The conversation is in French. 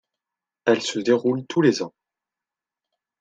Elle se déroule tous les ans.